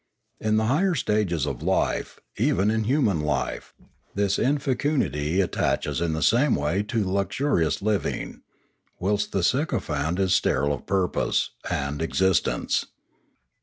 In the higher stages of life, even in human life, this infecundity attaches in the same way to luxurious liv ing, whilst the sycophant is sterile of purpose and ex istence.